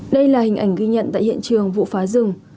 đây là hình ảnh ghi nhận tại hiện trường vụ phá rừng